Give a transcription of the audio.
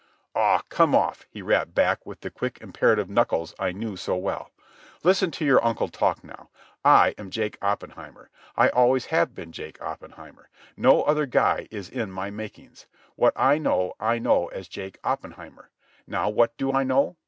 "Aw, come off," he rapped back with the quick imperative knuckles I knew so well. "Listen to your uncle talk now. I am Jake Oppenheimer. I always have been Jake Oppenheimer. No other guy is in my makings. What I know I know as Jake Oppenheimer. Now what do I know?